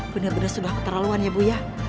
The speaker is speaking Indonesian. bener bener sudah keterlaluan ya bu ya